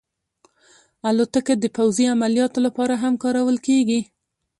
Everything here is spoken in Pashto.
الوتکه د پوځي عملیاتو لپاره هم کارول کېږي.